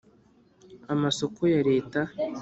Amasoko ya leta